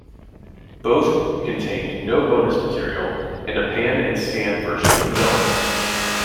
Both contained no bonus material and a pan and scan version of the film.